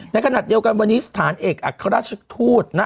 ในขณะเดียวกันวันนี้สถานเอกอัครราชทูต